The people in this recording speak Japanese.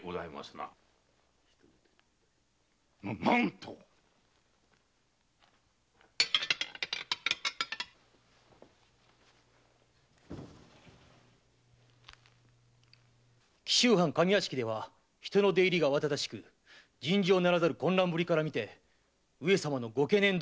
ななんと⁉紀州藩上屋敷では人の出入りが慌ただしく尋常ならざる混乱ぶりからみて上様のご懸念どおりかと。